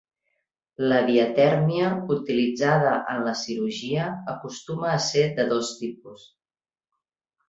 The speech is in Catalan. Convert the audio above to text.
La diatèrmia utilitzada en la cirurgia acostuma ser de dos tipus.